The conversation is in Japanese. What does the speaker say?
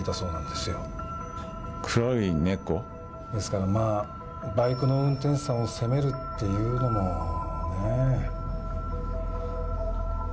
ですからまあバイクの運転手さんを責めるっていうのもねえ。